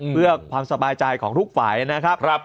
เพื่อความสบายใจของทุกฝ่ายนะครับ